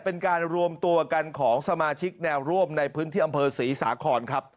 เป็นการรวมตัวกันของสมาชิกแนวร่วมในพื้นที่อำเภอศรีสาครครับ